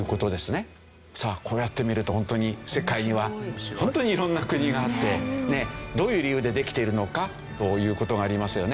さあこうやって見るとホントに世界にはホントに色んな国があってねどういう理由でできているのか？という事がありますよね。